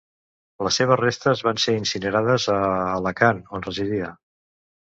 Les seves restes van ser incinerades a Alacant, on residia.